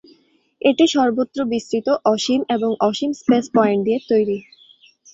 এটি সর্বত্র বিস্তৃত, অসীম এবং অসীম স্পেস-পয়েন্ট দিয়ে তৈরি।